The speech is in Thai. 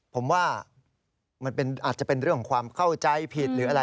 ผมว่ามันอาจจะเป็นเรื่องของความเข้าใจผิดหรืออะไร